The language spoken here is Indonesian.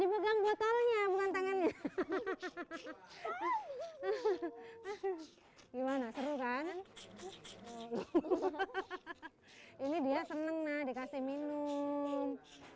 dipegang botolnya bukan tangannya hahaha gimana seru kan ini dia seneng nah dikasih minum ha ha ha ha ha ha